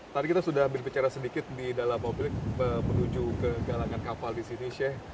tadi kita sudah berbicara sedikit di dalam mobil menuju ke galangan kapal di sini sheikh